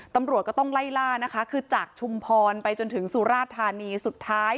ตำรวจก็ต้องไล่ล่านะคะคือจากชุมพรไปจนถึงสุราธานีสุดท้าย